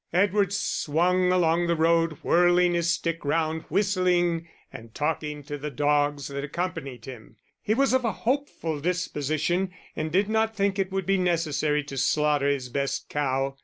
Edward swung along the road, whirling his stick round, whistling, and talking to the dogs that accompanied him. He was of a hopeful disposition, and did not think it would be necessary to slaughter his best cow.